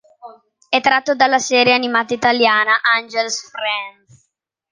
È tratto dalla serie animata italiana "Angel's Friends".